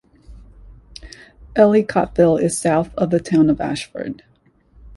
Ellicottville is south of the town of Ashford.